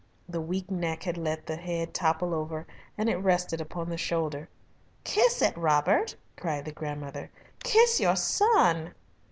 The weak neck had let the head topple over, and it rested upon the shoulder. "Kiss it, Robert!" cried the grandmother. "Kiss your son!"